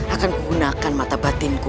akan menggunakan mata batinku